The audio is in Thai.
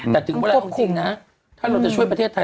แต่ถึงเวลาเอาจริงนะถ้าเราจะช่วยประเทศไทย